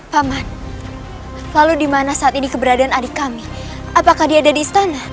paman lalu di mana saat ini keberadaan adik kami apakah dia ada di istana